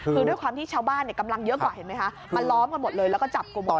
คือด้วยความที่ชาวบ้านกำลังเยอะกว่าเห็นไหมคะมาล้อมกันหมดเลยแล้วก็จับกลุ่มได้